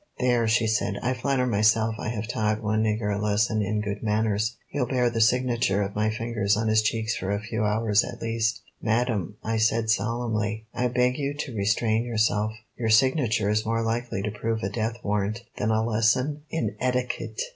"There," she said, "I flatter myself I have taught one nigger a lesson in good manners. He'll bear the signature of my fingers on his cheeks for a few hours at least." "Madam," I said solemnly, "I beg you to restrain yourself. Your signature is more likely to prove a death warrant than a lesson in etiquette."